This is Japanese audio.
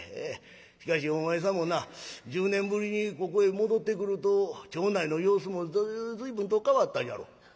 しかしお前さんもな１０年ぶりにここへ戻ってくると町内の様子も随分と変わったじゃろ？」。